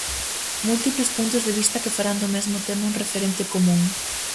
Múltiples puntos de vista que farán do mesmo tema un referente común.